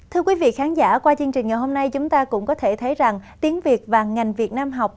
thưa quý vị khán giả qua chương trình ngày hôm nay chúng ta cũng có thể thấy rằng tiếng việt và ngành việt nam học